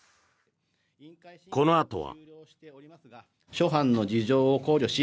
このあとは。